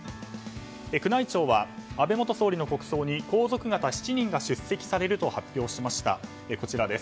宮内庁は、安倍元総理の国葬に皇族方７人が出席されると発表しました。